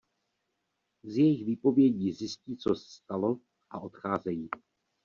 Z jejich výpovědí zjistí co se stalo a odcházejí.